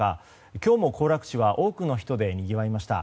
今日も行楽地は多くの人でにぎわいました。